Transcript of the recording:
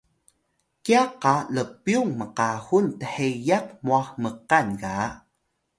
kya qa lpyung mkahul thiyaq mwah mkal ga